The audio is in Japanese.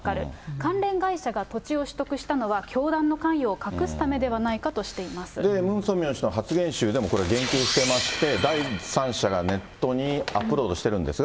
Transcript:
関連会社が土地を取得したのは、教団の関与を隠すためでムン・ソンミョン氏の発言集でもこれ、言及してまして、第三者がネットにアップロードしてるんですが。